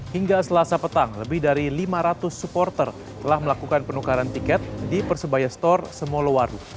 hingga selasa petang lebih dari lima ratus supporter telah melakukan penukaran tiket di persebaya store semolowaru